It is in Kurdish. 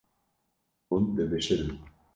Hûn dibişirin.